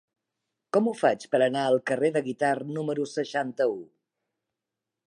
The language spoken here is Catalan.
Com ho faig per anar al carrer de Guitard número seixanta-u?